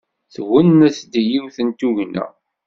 Twennet-d yiwet n tugna.